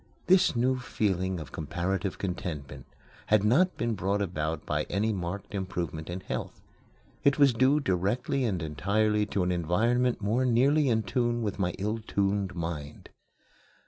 This new feeling of comparative contentment had not been brought about by any marked improvement in health. It was due directly and entirely to an environment more nearly in tune with my ill tuned mind.